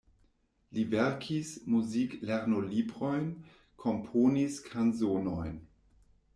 Li verkis muzik-lernolibrojn, komponis kanzonojn.